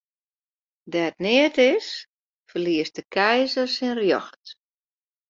Dêr't neat is, ferliest de keizer syn rjocht.